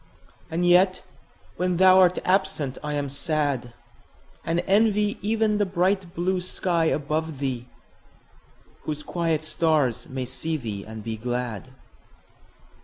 And yet when thou art absent I am sad; And envy even the bright blue sky above thee, Whose quiet stars may see thee and be glad.